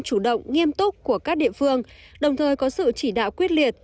chủ động nghiêm túc của các địa phương đồng thời có sự chỉ đạo quyết liệt